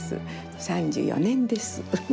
３４年です。